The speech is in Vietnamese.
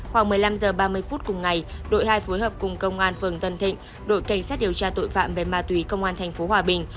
khoảng một mươi năm h ba mươi phút cùng ngày đội hai phối hợp cùng công an phường tân thịnh đội cảnh sát điều tra tội phạm về ma túy công an tp hòa bình